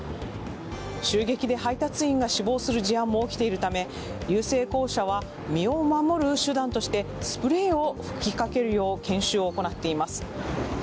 襲撃で配達員が死亡する事案も起きているため郵政公社は身を守る手段としてスプレーを吹きかけるよう研修を行っています。